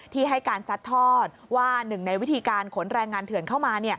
ที่ให้การซัดทอดว่าหนึ่งในวิธีการขนแรงงานเถื่อนเข้ามา